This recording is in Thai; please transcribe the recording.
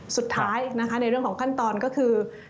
สุดท้ายนะคะในเรื่องของขั้นตอนก็คือ